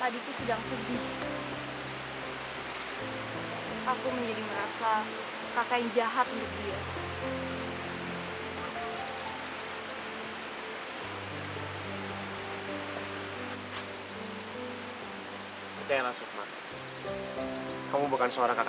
di sebuah tempat yang baik